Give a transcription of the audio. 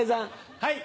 はい。